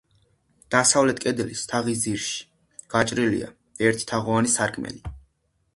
დასავლეთ კედლის თაღის ძირში გაჭრილია ერთი თაღოვანი სარკმელი.